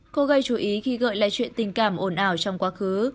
cô gây chú ý khi gợi lại chuyện tình cảm ổn ảo trong quá khứ